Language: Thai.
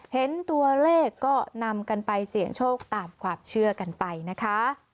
เห็นตัวเลขก็นำกันไปเสี่ยงโชคตามความเชื่อกันไปนะคะ